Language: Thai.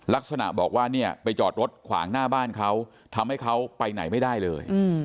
ลักษณะบอกว่าเนี่ยไปจอดรถขวางหน้าบ้านเขาทำให้เขาไปไหนไม่ได้เลย